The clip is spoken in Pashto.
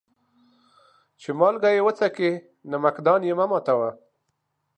چي مالگه يې وڅکې ، نمک دان يې مه ماتوه.